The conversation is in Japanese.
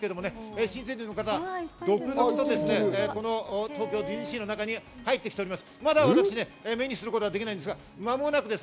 新成人の方、続々と東京ディズニーシーの中に入ってきております。